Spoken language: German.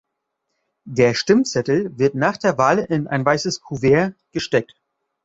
Der Stimmzettel wird nach der Wahl in ein weißes Kuvert gesteckt.